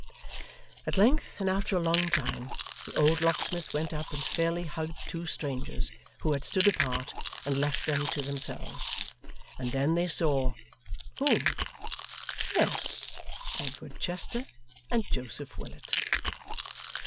At length, and after a long time, the old locksmith went up and fairly hugged two strangers, who had stood apart and left them to themselves; and then they saw whom? Yes, Edward Chester and Joseph Willet.